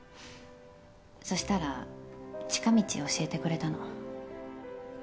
そしたら近道教えてくれたの。